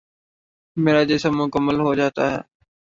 میرا جسم مکمل ہو جاتا ہے ۔